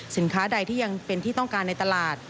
สินค้าใดที่ยังเป็นที่ต้องการในตลาด